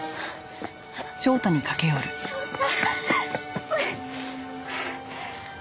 翔太。